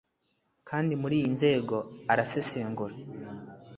kandi muriyi nzego, arasesengura